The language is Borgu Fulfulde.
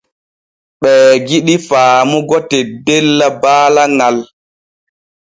Ɓee jidi faamugo teddella baala ŋal.